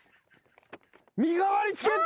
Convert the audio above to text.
身代わりチケットや！